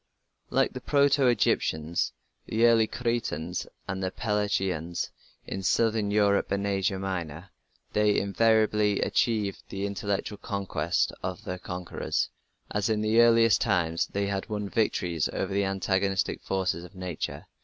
Like the proto Egyptians, the early Cretans, and the Pelasgians in southern Europe and Asia Minor, they invariably achieved the intellectual conquest of their conquerors, as in the earliest times they had won victories over the antagonistic forces of nature.